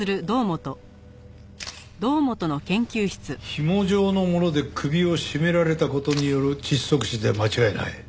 ひも状のもので首を絞められた事による窒息死で間違いない。